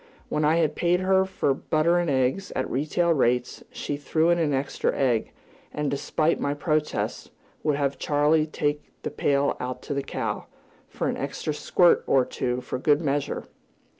When I had paid her for butter and eggs, at retail rates, she threw in an extra egg, and, despite my protests, would have Charley take the pail out to the cow, "for an extra squirt or two, for good measure!"